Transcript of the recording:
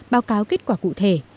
báo cáo kết quả cụ thể